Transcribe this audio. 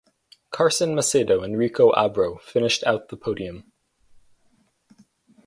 Carson Macedo and Rico Abreu finished out the podium.